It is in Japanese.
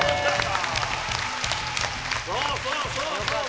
そうそうそうそう！